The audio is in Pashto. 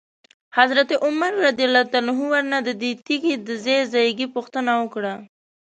حضرت عمر رضی الله عنه ورنه ددې تیږي د ځای ځایګي پوښتنه وکړه.